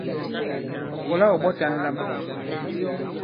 Ɔ̀ kɔ̀la ɔ̀ ɓɔ̀ta ǹlam.